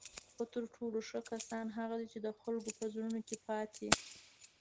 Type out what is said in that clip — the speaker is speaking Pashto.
خو تر ټولو ښه کسان هغه دي چی د خلکو په زړونو کې پاتې